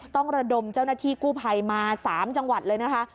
ต้องระดมเจ้าหน้าที่กู้ภัยมา๓จังหวัดเลยนะคะ